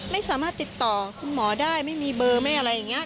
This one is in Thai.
ไม่สามารถติดต่อคุณหมอได้ไม่มีเบอร์ไม่อะไรอย่างนี้